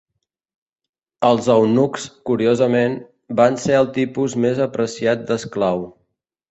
Els eunucs, curiosament, van ser el tipus més apreciat d'esclau.